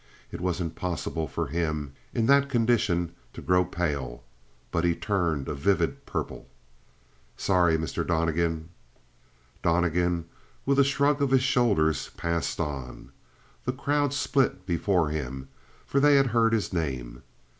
It was impossible for him, in that condition, to grow pale. But he turned a vivid purple. "Sorry, Mr. Donnegan." Donnegan, with a shrug of his shoulders, passed on. The crowd split before him, for they had heard his name.